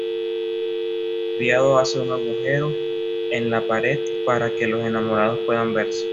El criado hace un agujero en la pared, para que los enamorados puedan verse.